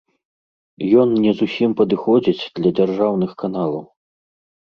Ён не зусім падыходзіць для дзяржаўных каналаў.